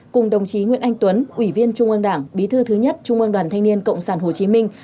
cùng đồng chí nguyễn anh tuấn ủy viên trung ương đảng bí thư thứ nhất trung ương đoàn thanh niên cộng sản hồ chí minh